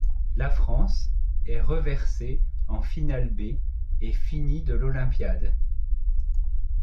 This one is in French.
La France est reversée en finale B et finit de l'olympiade.